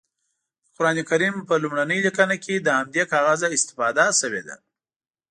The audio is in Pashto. د قرانکریم په لومړنۍ لیکنه کې له همدې کاغذه استفاده شوې ده.